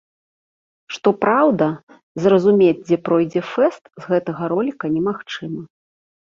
Што праўда, зразумець, дзе пройдзе фэст, з гэтага роліка немагчыма.